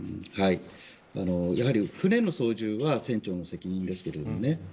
やはり船の操縦は船長の責任ですけどね